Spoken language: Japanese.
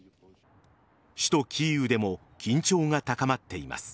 首都・キーウでも緊張が高まっています。